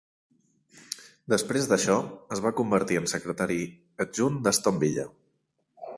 Després d'això, es va convertir en secretari adjunt d'Aston Villa.